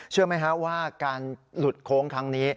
เชื่อไหมว่าการหลุดโค้งทางนี้